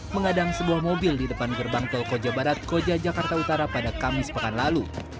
mengadang sebuah mobil di depan gerbang tol koja barat koja jakarta utara pada kamis pekan lalu